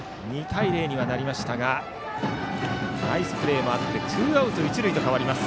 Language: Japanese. ２対０にはなりましたがナイスプレーもあってツーアウト、一塁と変わります。